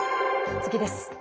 次です。